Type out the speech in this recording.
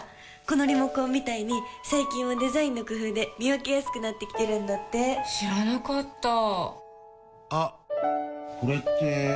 このリモコンみたいに最近はデザインの工夫で見分けやすくなってきてるんだって知らなかったあっ、これって・・・